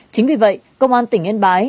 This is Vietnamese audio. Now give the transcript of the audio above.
chính vì vậy công an tỉnh yên bái